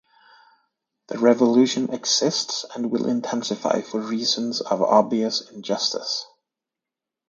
The revolution ""exists and will intensify for reasons of obvious injustice"".